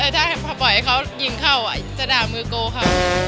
ถ้าปล่อยเขานิ่งเข้าอะจะด่ามือโกข้า